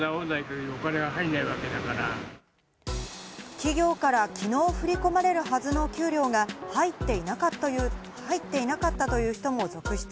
企業からきのう振り込まれるはずの給料が入っていなかったという人も続出。